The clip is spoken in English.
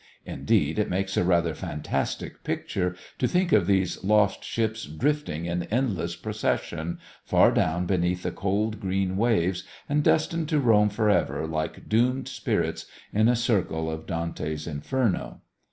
Indeed, it makes a rather fantastic picture to think of these lost ships drifting in endless procession, far down beneath the cold green waves, and destined to roam forever like doomed spirits in a circle of Dante's Inferno.